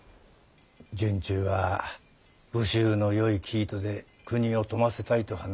惇忠は武州のよい生糸で国を富ませたいと話しております。